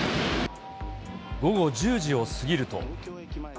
午後１０時を過ぎると。